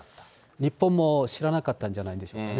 日本も知らなかったんじゃないでしょうかね。